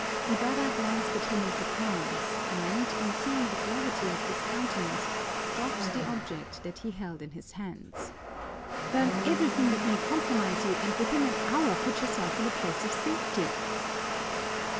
Ibarra glanced at him in surprise and, on seeing the gravity of his countenance, dropped the object that he held in his hands. "Burn everything that may compromise you and within an hour put yourself in a place of safety."